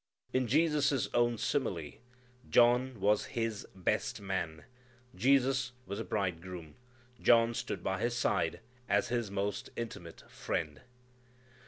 In Jesus' own simile, John was His best man. Jesus was a bridegroom. John stood by His side as His most intimate friend.